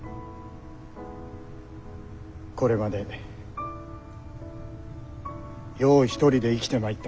これまでよう一人で生きてまいった。